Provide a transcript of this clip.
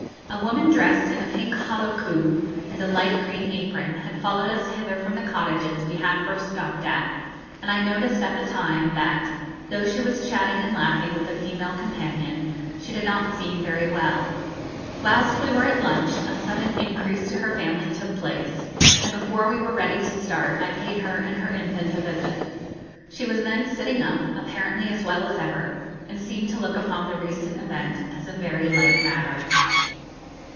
A woman dressed in a pink holoku and a light green apron had followed us hither from the cottages we had first stopped at, and I noticed at the time that, though she was chatting and laughing with a female companion, she did not seem very well. Whilst we were at lunch a sudden increase to her family took place, and before we were ready to start I paid her and her infant a visit. She was then sitting up, apparently as well as ever, and seemed to look upon the recent event as a very light matter.